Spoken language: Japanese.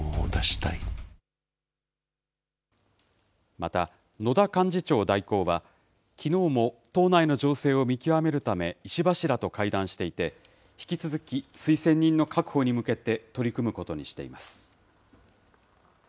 また、野田幹事長代行は、きのうも党内の情勢を見極めるため、石破氏らと会談していて、引き続き推薦人の確保に向けて取り組むことにしています。